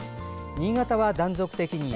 新潟は断続的に雪。